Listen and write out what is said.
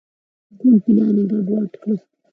ټول پلان یې ګډ وډ کړ.